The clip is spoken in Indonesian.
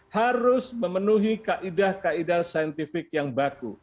harus memenuhi kaedah kaedah saintifik